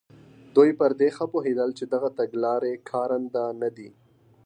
دوی پر دې ښه پوهېدل چې دغه تګلارې کارنده نه دي.